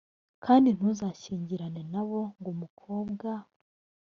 kandi ntuzashyingirane na bo ngo umukobwa